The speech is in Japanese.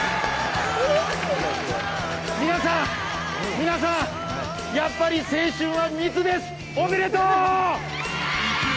皆さん、やっぱり青春は密です、おめでとう！